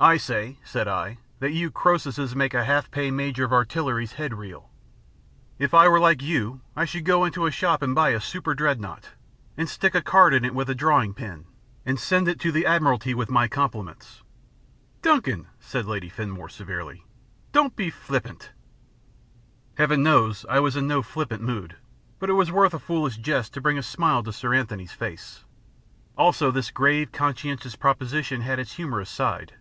"I say," said I, "that you Croesuses make a half pay Major of Artillery's head reel. If I were like you, I should go into a shop and buy a super dreadnought, and stick a card on it with a drawing pin, and send it to the Admiralty with my compliments." "Duncan," said Lady Fenimore, severely, "don't be flippant." Heaven knows I was in no flippant mood; but it was worth a foolish jest to bring a smile to Sir Anthony's face. Also this grave, conscientious proposition had its humorous side.